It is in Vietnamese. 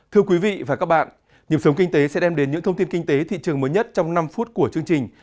thưa quý vị và các bạn nhiệm sống kinh tế sẽ đem đến những thông tin kinh tế thị trường mới nhất trong năm phút của chương trình